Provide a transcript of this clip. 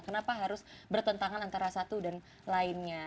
kenapa harus bertentangan antara satu dan lainnya